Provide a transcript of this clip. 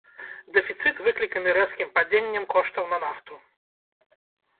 Дэфіцыт выкліканы рэзкім падзеннем коштаў на нафту.